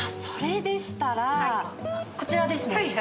それでしたらこちらですね。